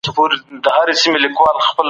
ښوونکی د تاریخ په اړه خبري کوي.